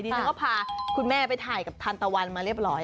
ฉันก็พาคุณแม่ไปถ่ายกับทันตะวันมาเรียบร้อย